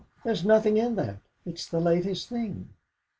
There's nothing in that; it's the latest thing!"